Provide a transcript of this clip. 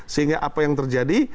sehingga apa yang terjadi